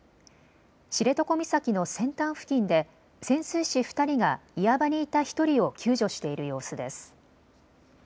知床岬の先端付近で潜水士２人が岩場にいた１人を救助している様子です。